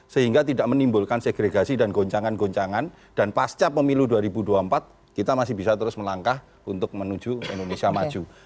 sehingga tidak menimbulkan segregasi dan goncangan goncangan dan pasca pemilu dua ribu dua puluh empat kita masih bisa terus melangkah untuk menuju indonesia maju